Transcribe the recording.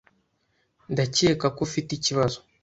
Ndakeka ko ufite ikibazo.